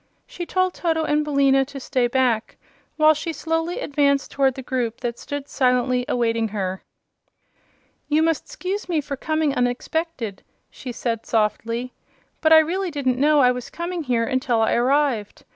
She told Toto and Billina to stay back while she slowly advanced toward the group that stood silently awaiting her. "You must 'scuse me for coming unexpected," she said, softly, "but I really didn't know I was coming here until I arrived.